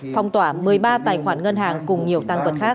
phong tỏa một mươi ba tài khoản ngân hàng cùng nhiều tăng vật khác